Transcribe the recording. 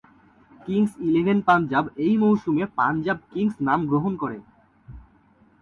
Kings Eleven Punjab এই মৌসুমে Punjab Kings নাম গ্রহণ করে।